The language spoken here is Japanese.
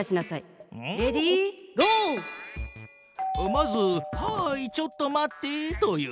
まず「はいちょっと待って」と言う。